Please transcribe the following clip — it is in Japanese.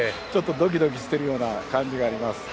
ドキドキしているような感じがあります。